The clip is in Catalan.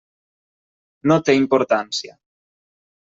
No té importància.